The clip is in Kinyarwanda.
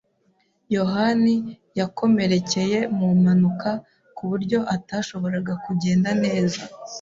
yohani yakomerekeye mu mpanuka, ku buryo atashoboraga kugenda neza.